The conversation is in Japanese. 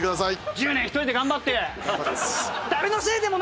１０年１人で頑張って。